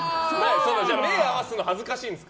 目を合わすのが恥ずかしいんですか？